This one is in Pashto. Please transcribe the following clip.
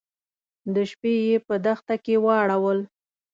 د شپې يې په دښته کې واړول.